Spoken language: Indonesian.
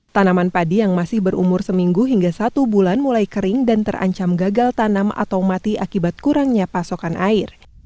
tanaman padi yang masih berumur seminggu hingga satu bulan mulai kering dan terancam gagal tanam atau mati akibat kurangnya pasokan air